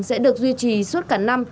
sẽ được duy trì suốt cả năm